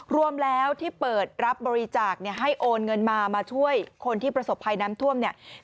รวมแล้วที่เปิดรับบริจาคเนี่ยให้โอนเงินมามาช่วยคนที่ประสบภัยน้ำท่วมเนี่ย